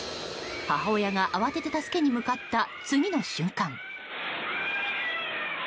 母親が慌てて助けに向かった次の瞬間。